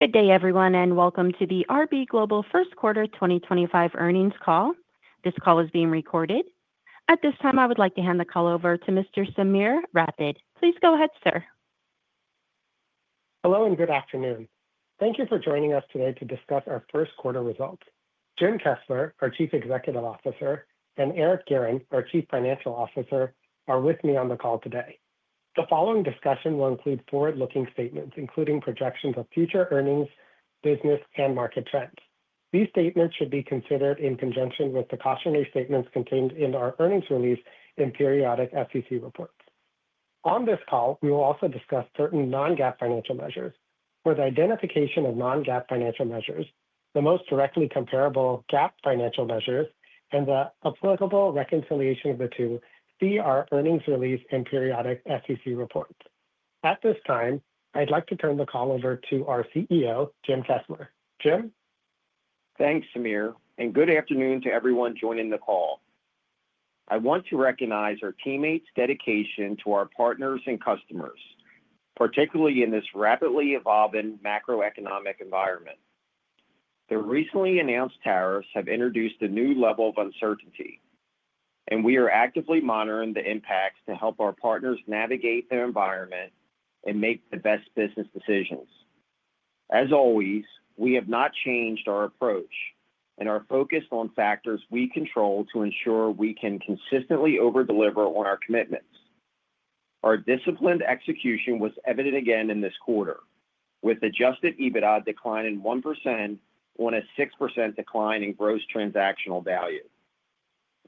Good day, everyone, and welcome to the RB Global First Quarter 2025 Earnings Call. This call is being recorded. At this time, I would like to hand the call over to Mr. Sameer Rathod. Please go ahead, sir. Hello and good afternoon. Thank you for joining us today to discuss our first quarter results. Jim Kessler, our Chief Executive Officer, and Eric Guerin, our Chief Financial Officer, are with me on the call today. The following discussion will include forward-looking statements, including projections of future earnings, business, and market trends. These statements should be considered in conjunction with the cautionary statements contained in our earnings release and periodic SEC reports. On this call, we will also discuss certain non-GAAP financial measures. For the identification of non-GAAP financial measures, the most directly comparable GAAP financial measures, and the applicable reconciliation of the two, see our earnings release and periodic SEC reports. At this time, I'd like to turn the call over to our CEO, Jim Kessler. Jim? Thanks, Sameer, and good afternoon to everyone joining the call. I want to recognize our teammates' dedication to our partners and customers, particularly in this rapidly evolving macroeconomic environment. The recently announced tariffs have introduced a new level of uncertainty, and we are actively monitoring the impacts to help our partners navigate the environment and make the best business decisions. As always, we have not changed our approach, and our focus is on factors we control to ensure we can consistently overdeliver on our commitments. Our disciplined execution was evident again in this quarter, with Adjusted EBITDA declining 1% on a 6% decline in Gross Transaction Value.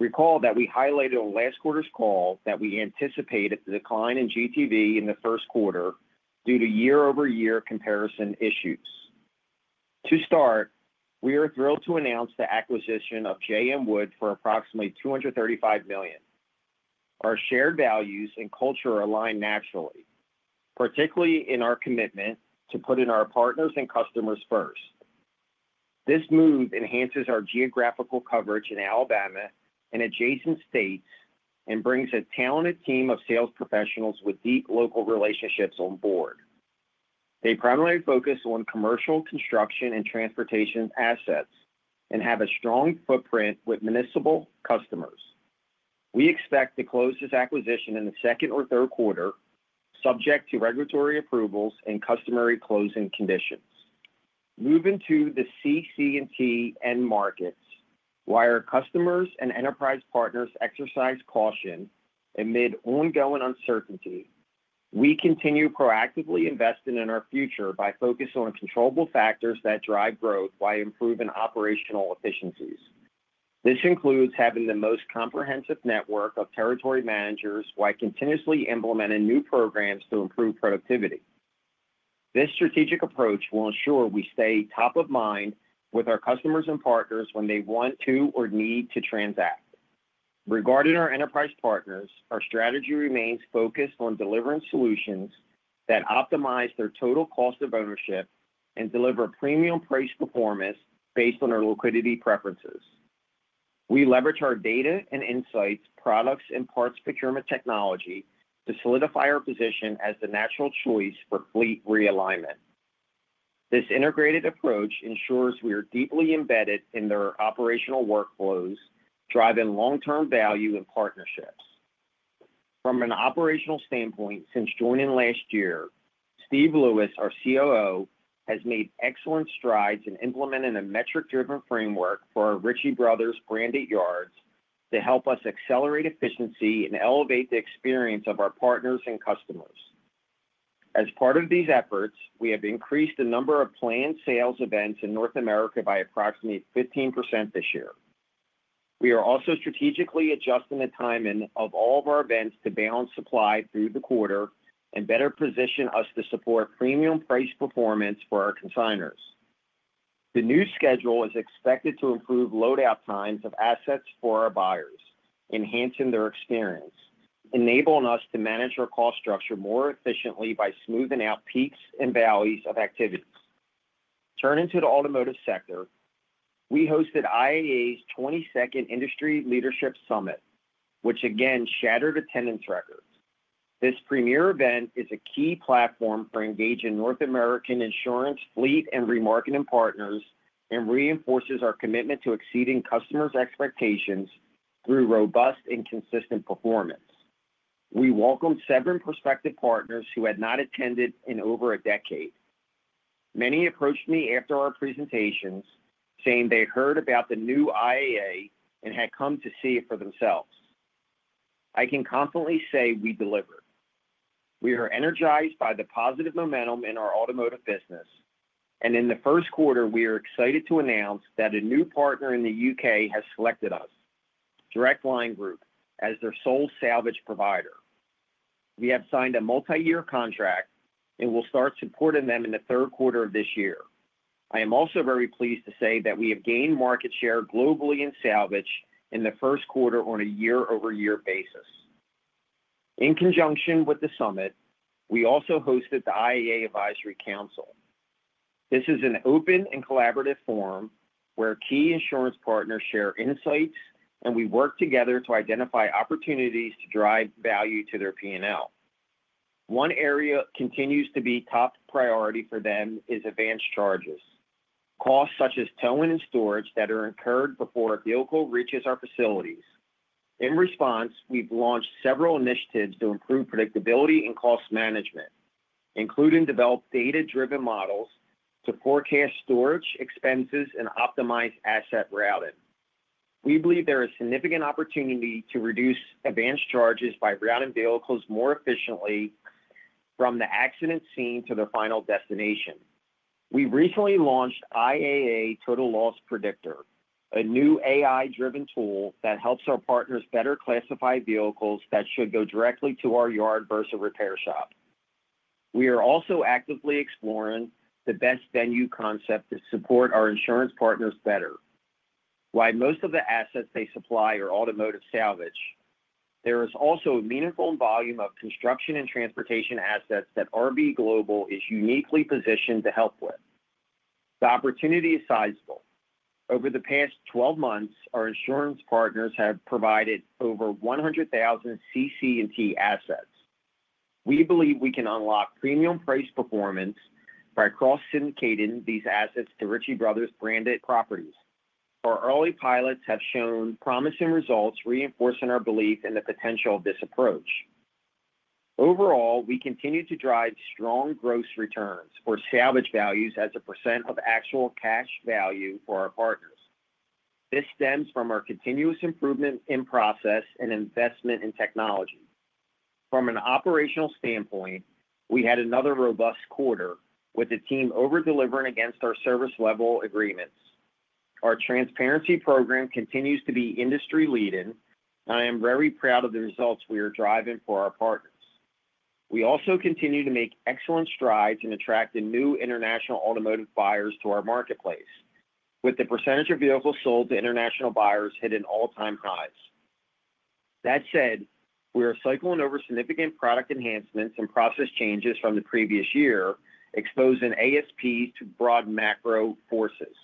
Recall that we highlighted on last quarter's call that we anticipated the decline in GTV in the first quarter due to year-over-year comparison issues. To start, we are thrilled to announce the acquisition of J.M. Wood for approximately $235 million. Our shared values and culture align naturally, particularly in our commitment to putting our partners and customers first. This move enhances our geographical coverage in Alabama and adjacent states and brings a talented team of sales professionals with deep local relationships on board. They primarily focus on commercial, construction, and transportation assets and have a strong footprint with municipal customers. We expect to close this acquisition in the second or third quarter, subject to regulatory approvals and customary closing conditions. Moving to the CC&T end markets, while our customers and enterprise partners exercise caution amid ongoing uncertainty, we continue proactively investing in our future by focusing on controllable factors that drive growth while improving operational efficiencies. This includes having the most comprehensive network of territory managers while continuously implementing new programs to improve productivity. This strategic approach will ensure we stay top of mind with our customers and partners when they want to or need to transact. Regarding our enterprise partners, our strategy remains focused on delivering solutions that optimize their total cost of ownership and deliver premium-priced performance based on our liquidity preferences. We leverage our data and insights, products, and parts procurement technology to solidify our position as the natural choice for fleet realignment. This integrated approach ensures we are deeply embedded in their operational workflows, driving long-term value and partnerships. From an operational standpoint, since joining last year, Steve Lewis, our COO, has made excellent strides in implementing a metric-driven framework for our Ritchie Bros. branded yards to help us accelerate efficiency and elevate the experience of our partners and customers. As part of these efforts, we have increased the number of planned sales events in North America by approximately 15% this year. We are also strategically adjusting the timing of all of our events to balance supply through the quarter and better position us to support premium-priced performance for our consignors. The new schedule is expected to improve load-out times of assets for our buyers, enhancing their experience, enabling us to manage our cost structure more efficiently by smoothing out peaks and valleys of activities. Turning to the automotive sector, we hosted IAA's 22nd Industry Leadership Summit, which again shattered attendance records. This premier event is a key platform for engaging North American insurance, fleet, and remarketing partners and reinforces our commitment to exceeding customers' expectations through robust and consistent performance. We welcomed seven prospective partners who had not attended in over a decade. Many approached me after our presentations saying they heard about the new IAA and had come to see it for themselves. I can confidently say we delivered. We are energized by the positive momentum in our automotive business, and in the first quarter, we are excited to announce that a new partner in the U.K. has selected us, Direct Line Group, as their sole salvage provider. We have signed a multi-year contract and will start supporting them in the third quarter of this year. I am also very pleased to say that we have gained market share globally in salvage in the first quarter on a year-over-year basis. In conjunction with the summit, we also hosted the IAA Advisory Council. This is an open and collaborative forum where key insurance partners share insights, and we work together to identify opportunities to drive value to their P&L. One area that continues to be a top priority for them is advance charges, costs such as towing and storage that are incurred before a vehicle reaches our facilities. In response, we've launched several initiatives to improve predictability and cost management, including developing data-driven models to forecast storage expenses and optimize asset routing. We believe there is a significant opportunity to reduce advance charges by routing vehicles more efficiently from the accident scene to their final destination. We recently launched IAA Total Loss Predictor, a new AI-driven tool that helps our partners better classify vehicles that should go directly to our yard versus a repair shop. We are also actively exploring the best venue concept to support our insurance partners better. While most of the assets they supply are automotive salvage, there is also a meaningful volume of construction and transportation assets that RB Global is uniquely positioned to help with. The opportunity is sizable. Over the past 12 months, our insurance partners have provided over 100,000 CC&T assets. We believe we can unlock premium-priced performance by cross-syndicating these assets to Ritchie Bros. branded properties. Our early pilots have shown promising results, reinforcing our belief in the potential of this approach. Overall, we continue to drive strong gross returns for salvage values as a percent of actual cash value for our partners. This stems from our continuous improvement in process and investment in technology. From an operational standpoint, we had another robust quarter with the team overdelivering against our service-level agreements. Our transparency program continues to be industry-leading, and I am very proud of the results we are driving for our partners. We also continue to make excellent strides in attracting new international automotive buyers to our marketplace, with the percentage of vehicles sold to international buyers hitting all-time highs. That said, we are cycling over significant product enhancements and process changes from the previous year, exposing ASPs to broad macro forces.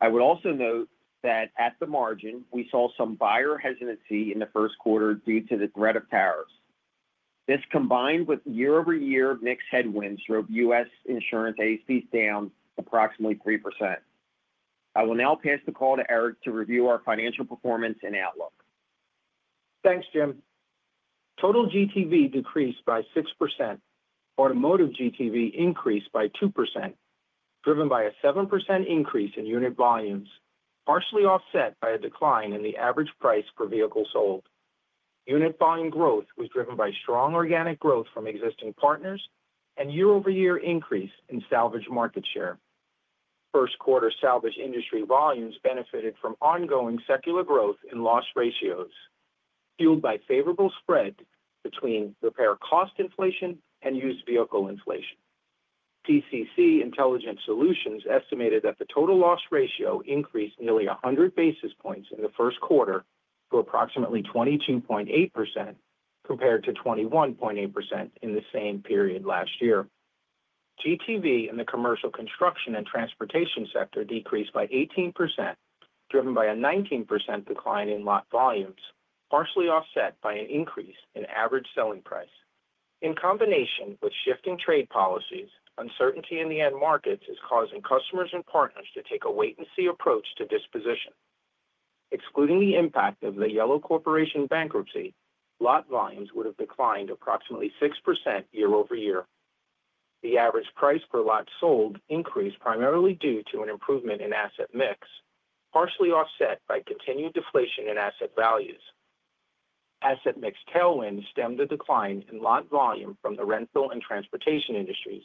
I would also note that at the margin, we saw some buyer hesitancy in the first quarter due to the threat of tariffs. This, combined with year-over-year mix headwinds, drove U.S. insurance ASPs down approximately 3%. I will now pass the call to Eric to review our financial performance and outlook. Thanks, Jim. Total GTV decreased by 6%. Automotive GTV increased by 2%, driven by a 7% increase in unit volumes, partially offset by a decline in the average price per vehicle sold. Unit volume growth was driven by strong organic growth from existing partners and year-over-year increase in salvage market share. First quarter salvage industry volumes benefited from ongoing secular growth in loss ratios, fueled by favorable spread between repair cost inflation and used vehicle inflation. CCC Intelligent Solutions estimated that the total loss ratio increased nearly 100 basis points in the first quarter to approximately 22.8% compared to 21.8% in the same period last year. GTV in the commercial, construction, and transportation sector decreased by 18%, driven by a 19% decline in lot volumes, partially offset by an increase in average selling price. In combination with shifting trade policies, uncertainty in the end markets is causing customers and partners to take a wait-and-see approach to disposition. Excluding the impact of the Yellow Corporation bankruptcy, lot volumes would have declined approximately 6% year-over-year. The average price per lot sold increased primarily due to an improvement in asset mix, partially offset by continued deflation in asset values. Asset mix tailwinds stemmed a decline in lot volume from the rental and transportation industries,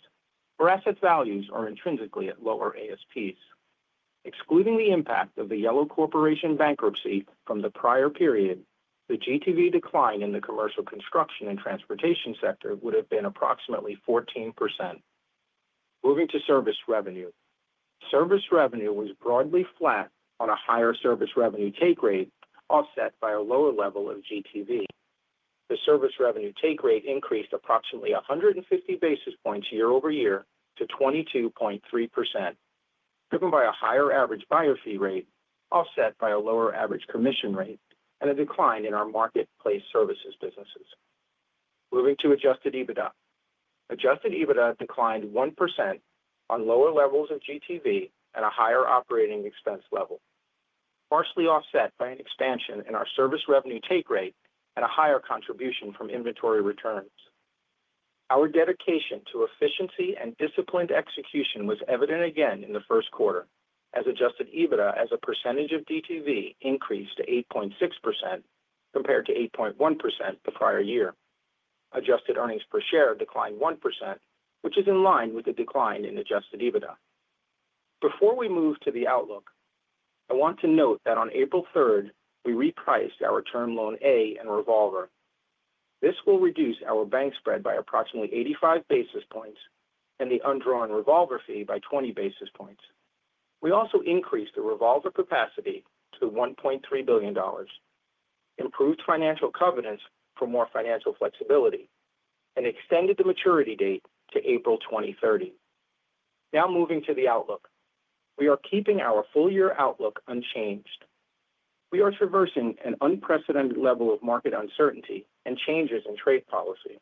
where asset values are intrinsically at lower ASPs. Excluding the impact of the Yellow Corporation bankruptcy from the prior period, the GTV decline in the commercial, construction, and transportation sector would have been approximately 14%. Moving to service revenue, service revenue was broadly flat on a higher service revenue take rate, offset by a lower level of GTV. The service revenue take rate increased approximately 150 basis points year-over-year to 22.3%, driven by a higher average buyer fee rate, offset by a lower average commission rate, and a decline in our marketplace services businesses. Moving to Adjusted EBITDA. Adjusted EBITDA declined 1% on lower levels of GTV and a higher operating expense level, partially offset by an expansion in our service revenue take rate and a higher contribution from inventory returns. Our dedication to efficiency and disciplined execution was evident again in the first quarter as Adjusted EBITDA as a percentage of GTV increased to 8.6% compared to 8.1% the prior year. Adjusted earnings per share declined 1%, which is in line with the decline in Adjusted EBITDA. Before we move to the outlook, I want to note that on April 3rd, we repriced our Term Loan A and revolver. This will reduce our bank spread by approximately 85 basis points and the undrawn revolver fee by 20 basis points. We also increased the revolver capacity to $1.3 billion, improved financial covenants for more financial flexibility, and extended the maturity date to April 2030. Now moving to the outlook, we are keeping our full-year outlook unchanged. We are traversing an unprecedented level of market uncertainty and changes in trade policy.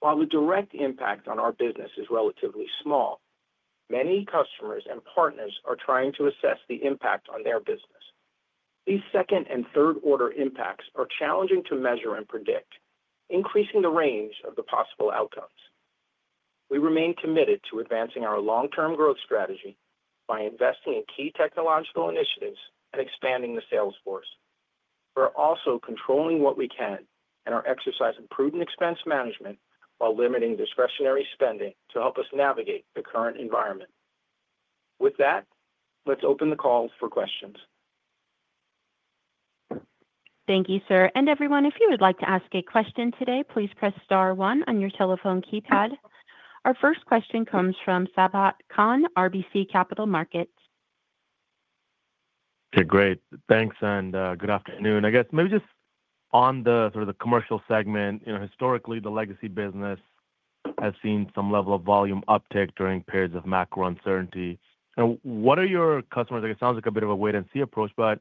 While the direct impact on our business is relatively small, many customers and partners are trying to assess the impact on their business. These second and third order impacts are challenging to measure and predict, increasing the range of the possible outcomes. We remain committed to advancing our long-term growth strategy by investing in key technological initiatives and expanding the sales force. We are also controlling what we can and are exercising prudent expense management while limiting discretionary spending to help us navigate the current environment. With that, let's open the call for questions. Thank you, sir. And everyone, if you would like to ask a question today, please press star one on your telephone keypad. Our first question comes from Sabahat Khan, RBC Capital Markets. Okay, great. Thanks, and good afternoon. I guess maybe just on the sort of commercial segment, you know, historically, the legacy business has seen some level of volume uptick during periods of macro uncertainty. And what are your customers? It sounds like a bit of a wait-and-see approach, but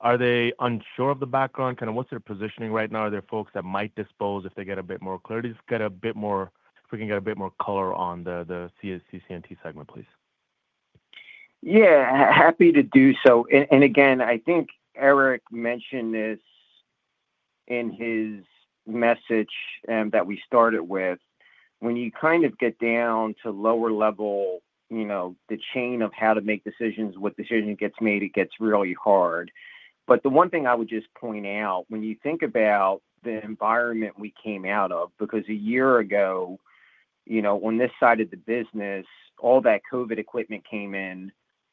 are they unsure of the background? Kind of what's their positioning right now? Are there folks that might dispose if they get a bit more clarity, if we can get a bit more color on the CC&T segment, please? Yeah, happy to do so. And again, I think Eric mentioned this in his message that we started with. When you kind of get down to lower level, you know, the chain of how to make decisions, what decision gets made, it gets really hard. But the one thing I would just point out, when you think about the environment we came out of, because a year ago, you know, on this side of the business, all that COVID equipment came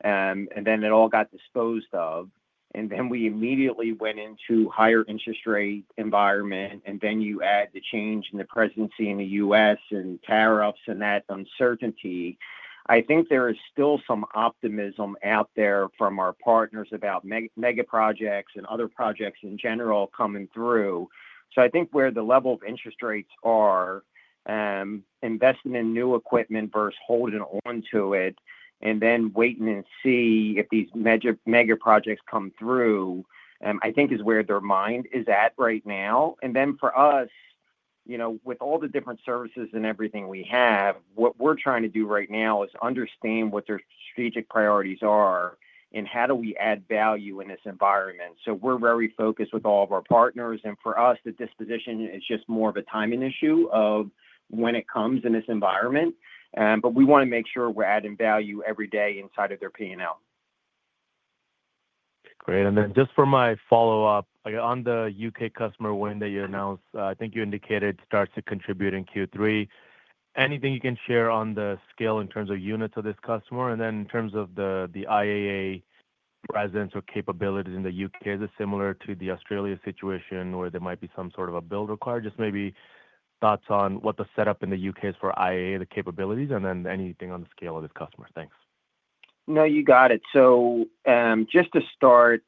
in, and then it all got disposed of. And then we immediately went into a higher interest rate environment, and then you add the change in the presidency in the U.S. and tariffs and that uncertainty. I think there is still some optimism out there from our partners about mega projects and other projects in general coming through. So I think where the level of interest rates are, investing in new equipment versus holding onto it and then waiting and see if these mega projects come through, I think is where their mind is at right now. And then for us, you know, with all the different services and everything we have, what we're trying to do right now is understand what their strategic priorities are and how do we add value in this environment. So we're very focused with all of our partners, and for us, the disposition is just more of a timing issue of when it comes in this environment. But we want to make sure we're adding value every day inside of their P&L. Great. And then just for my follow-up, on the U.K. customer win you announced, I think you indicated starts to contribute in Q3. Anything you can share on the scale in terms of units of this customer? And then in terms of the IAA presence or capabilities in the U.K., is it similar to the Australia situation where there might be some sort of a build required? Just maybe thoughts on what the setup in the U.K. is for IAA, the capabilities, and then anything on the scale of this customer? Thanks. No, you got it, so just to start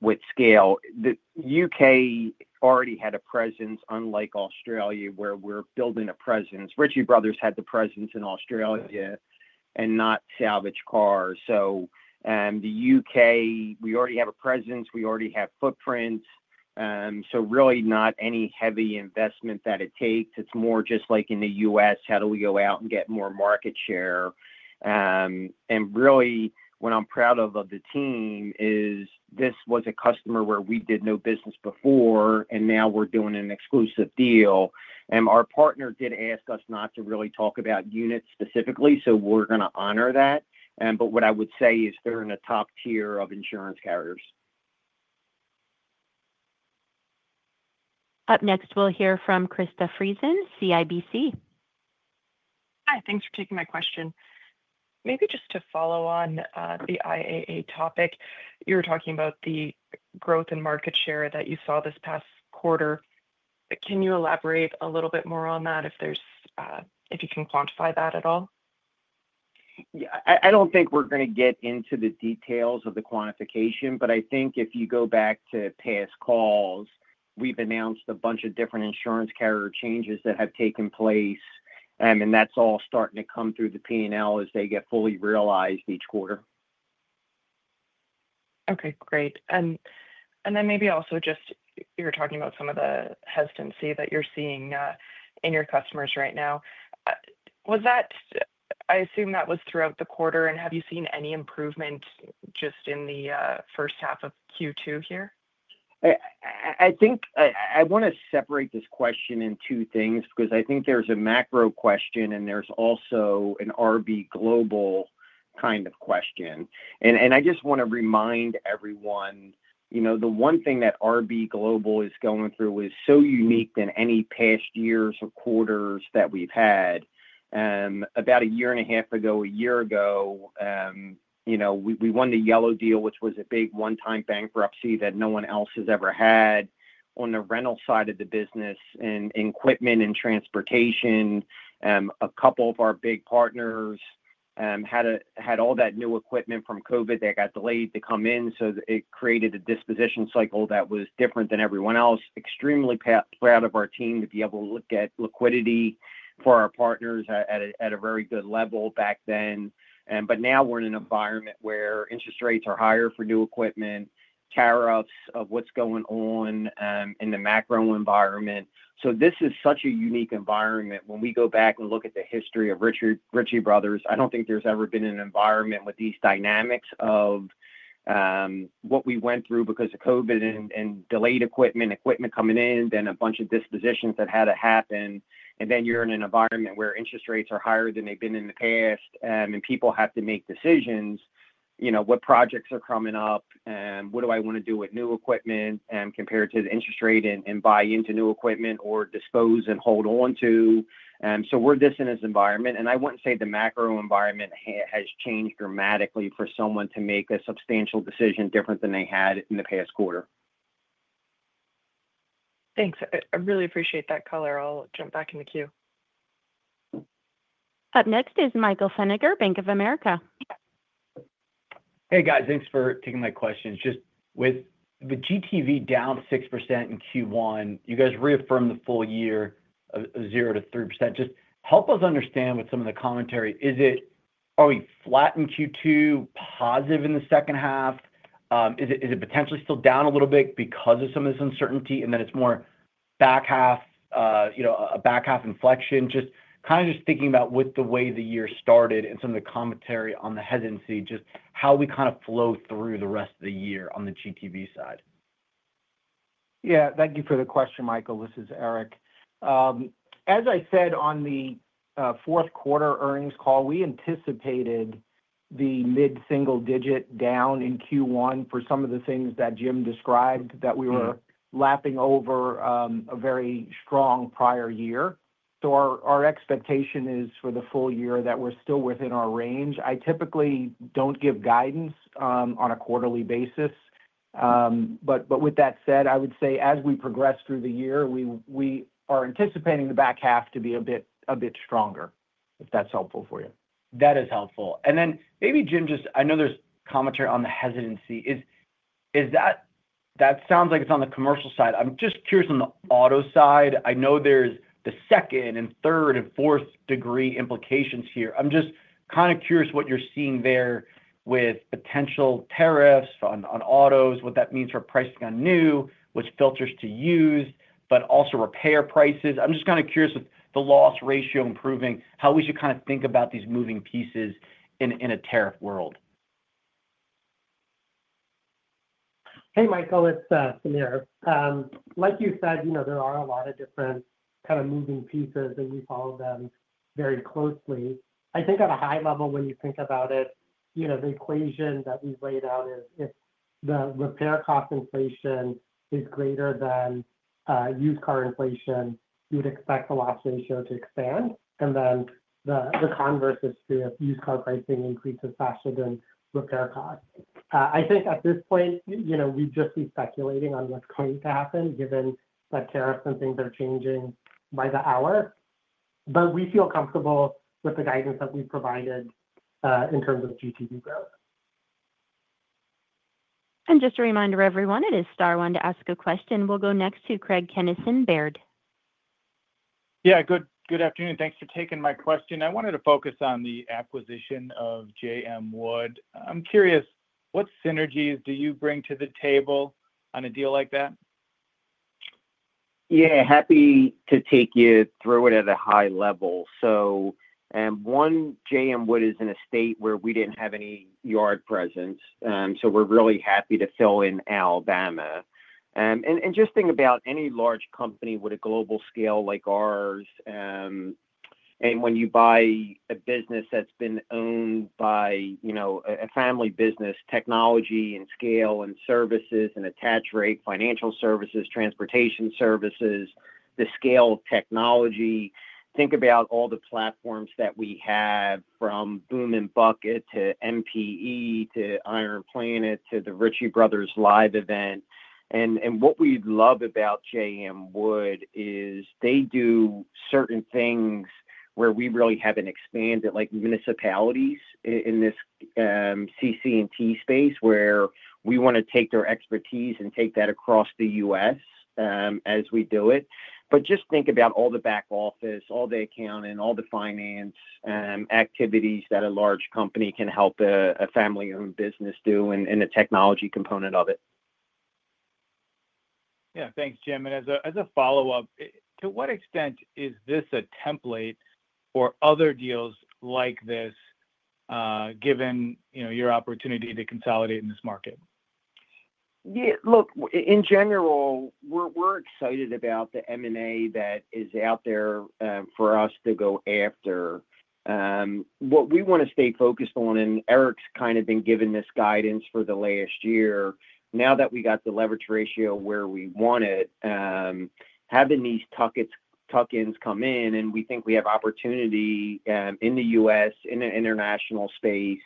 with scale, the U.K. already had a presence unlike Australia where we're building a presence. Ritchie Bros. had the presence in Australia and not salvage cars, so the U.K., we already have a presence. We already have footprints, so really not any heavy investment that it takes. It's more just like in the U.S., how do we go out and get more market share, and really, what I'm proud of the team is this was a customer where we did no business before, and now we're doing an exclusive deal, and our partner did ask us not to really talk about units specifically, so we're going to honor that, but what I would say is they're in a top tier of insurance carriers. Up next, we'll hear from Krista Friesen, CIBC. Hi, thanks for taking my question. Maybe just to follow on the IAA topic, you were talking about the growth in market share that you saw this past quarter. Can you elaborate a little bit more on that, if you can quantify that at all? Yeah, I don't think we're going to get into the details of the quantification, but I think if you go back to past calls, we've announced a bunch of different insurance carrier changes that have taken place, and that's all starting to come through the P&L as they get fully realized each quarter. Okay, great. And then maybe also just you were talking about some of the hesitancy that you're seeing in your customers right now. I assume that was throughout the quarter, and have you seen any improvement just in the first half of Q2 here? I think I want to separate this question in two things because I think there's a macro question and there's also an RB Global kind of question. And I just want to remind everyone, you know, the one thing that RB Global is going through is so unique than any past years or quarters that we've had. About a year and a half ago, a year ago, you know, we won the Yellow Deal, which was a big one-time bankruptcy that no one else has ever had on the rental side of the business in equipment and transportation. A couple of our big partners had all that new equipment from COVID that got delayed to come in, so it created a disposition cycle that was different than everyone else. Extremely proud of our team to be able to look at liquidity for our partners at a very good level back then. But now we're in an environment where interest rates are higher for new equipment, tariffs of what's going on in the macro environment. So this is such a unique environment. When we go back and look at the history of Ritchie Bros., I don't think there's ever been an environment with these dynamics of what we went through because of COVID and delayed equipment, equipment coming in, then a bunch of dispositions that had to happen. And then you're in an environment where interest rates are higher than they've been in the past, and people have to make decisions, you know, what projects are coming up, what do I want to do with new equipment compared to the interest rate and buy into new equipment or dispose and hold onto. So we're just in this environment, and I wouldn't say the macro environment has changed dramatically for someone to make a substantial decision different than they had in the past quarter. Thanks. I really appreciate that color. I'll jump back in the queue. Up next is Michael Feniger, Bank of America. Hey, guys. Thanks for taking my questions. Just with the GTV down 6% in Q1, you guys reaffirmed the full year of zero to 3%. Just help us understand with some of the commentary. Is it, are we flat in Q2, positive in the second half? Is it potentially still down a little bit because of some of this uncertainty, and then it's more back half, you know, a back half inflection. Just kind of just thinking about with the way the year started and some of the commentary on the hesitancy, just how we kind of flow through the rest of the year on the GTV side. Yeah, thank you for the question, Michael. This is Eric. As I said on the fourth quarter earnings call, we anticipated the mid-single digit down in Q1 for some of the things that Jim described that we were lapping over a very strong prior year. So our expectation is for the full year that we're still within our range. I typically don't give guidance on a quarterly basis. But with that said, I would say as we progress through the year, we are anticipating the back half to be a bit stronger, if that's helpful for you. That is helpful. And then maybe Jim just, I know there's commentary on the hesitancy. That sounds like it's on the commercial side. I'm just curious on the auto side. I know there's the second and third and fourth degree implications here. I'm just kind of curious what you're seeing there with potential tariffs on autos, what that means for pricing on new, which filters to use, but also repair prices. I'm just kind of curious with the loss ratio improving, how we should kind of think about these moving pieces in a tariff world. Hey, Michael, it's Sameer. Like you said, you know, there are a lot of different kind of moving pieces, and we follow them very closely. I think at a high level, when you think about it, you know, the equation that we've laid out is if the repair cost inflation is greater than used car inflation, you would expect the loss ratio to expand. And then the converse is true if used car pricing increases faster than repair costs. I think at this point, you know, we just be speculating on what's going to happen given that tariffs and things are changing by the hour. But we feel comfortable with the guidance that we've provided in terms of GTV growth. Just a reminder, everyone. It is star one to ask a question. We'll go next to Craig Kennison, Baird. Yeah, good afternoon. Thanks for taking my question. I wanted to focus on the acquisition of J.M. Wood. I'm curious, what synergies do you bring to the table on a deal like that? Yeah, happy to take you through it at a high level. So one, J.M. Wood is in a state where we didn't have any yard presence, so we're really happy to fill in Alabama. And just think about any large company with a global scale like ours. And when you buy a business that's been owned by, you know, a family business, technology and scale and services and attach rate, financial services, transportation services, the scale of technology, think about all the platforms that we have from Boom & Bucket to MPE to IronPlanet to the Ritchie Bros. live event. And what we love about J.M. Wood is they do certain things where we really haven't expanded, like municipalities in this CC&T space where we want to take their expertise and take that across the U.S. as we do it. But just think about all the back office, all the accounting, all the finance activities that a large company can help a family-owned business do and the technology component of it. Yeah, thanks, Jim. And as a follow-up, to what extent is this a template for other deals like this given, you know, your opportunity to consolidate in this market? Yeah, look, in general, we're excited about the M&A that is out there for us to go after. What we want to stay focused on, and Eric's kind of been given this guidance for the last year, now that we got the leverage ratio where we want it, having these tuck-ins come in, and we think we have opportunity in the U.S., in the international space,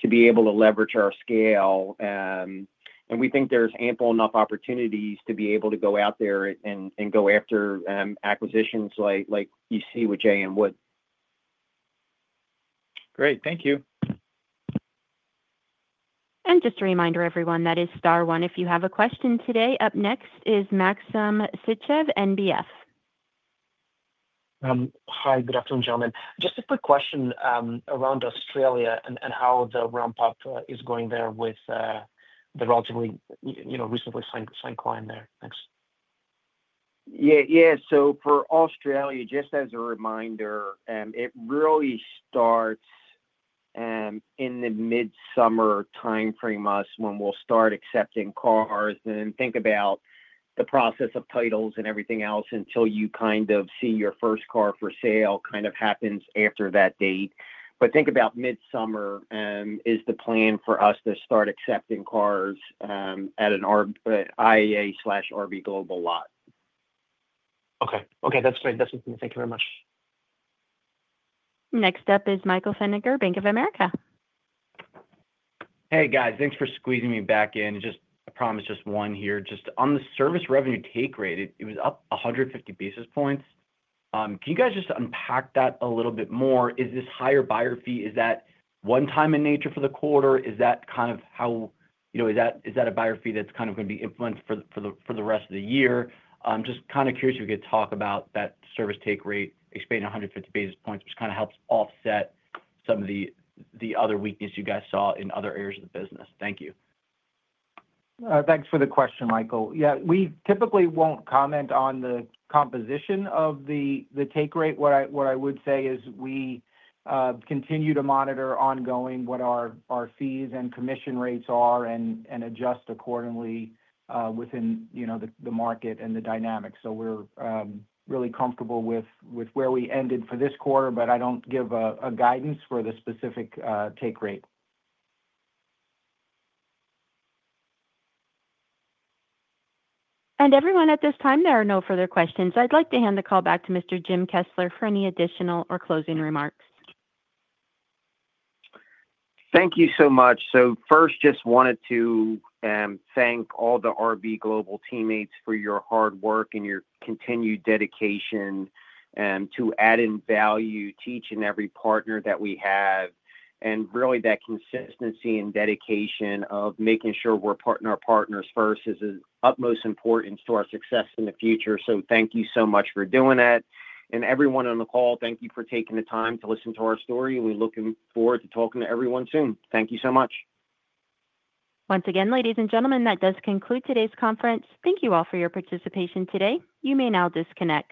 to be able to leverage our scale. And we think there's ample enough opportunities to be able to go out there and go after acquisitions like you see with J.M. Wood. Great. Thank you. And just a reminder, everyone, that is star one. If you have a question today, up next is Maxim Sytchev, NBF. Hi, good afternoon, gentlemen. Just a quick question around Australia and how the ramp-up is going there with the relatively, you know, recently launched line there. Thanks. Yeah, yeah. So for Australia, just as a reminder, it really starts in the mid-summer timeframe when we'll start accepting cars. And think about the process of titles and everything else until you kind of see your first car for sale kind of happens after that date. But think about mid-summer is the plan for us to start accepting cars at an IAA/RB Global lot. Okay. Okay, that's great. That's good. Thank you very much. Next up is Michael Feniger, Bank of America. Hey, guys. Thanks for squeezing me back in. And just, I promise, just one here. Just on the service revenue take rate, it was up 150 basis points. Can you guys just unpack that a little bit more? Is this higher buyer fee, is that one-time in nature for the quarter? Is that kind of how, you know, is that a buyer fee that's kind of going to be implemented for the rest of the year? Just kind of curious if you could talk about that service take rate expanding 150 basis points, which kind of helps offset some of the other weakness you guys saw in other areas of the business. Thank you. Thanks for the question, Michael. Yeah, we typically won't comment on the composition of the take rate. What I would say is we continue to monitor ongoing what our fees and commission rates are and adjust accordingly within, you know, the market and the dynamics. So we're really comfortable with where we ended for this quarter, but I don't give a guidance for the specific take rate. Everyone, at this time, there are no further questions. I'd like to hand the call back to Mr. Jim Kessler for any additional or closing remarks. Thank you so much, so first, just wanted to thank all the RB Global teammates for your hard work and your continued dedication to adding value, teaching every partner that we have, and really, that consistency and dedication of making sure we're putting our partners first is the utmost importance to our success in the future, so thank you so much for doing that, and everyone on the call, thank you for taking the time to listen to our story. We're looking forward to talking to everyone soon. Thank you so much. Once again, ladies and gentlemen, that does conclude today's conference. Thank you all for your participation today. You may now disconnect.